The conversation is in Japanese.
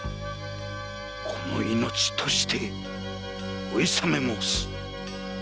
この命賭してお諌め申す。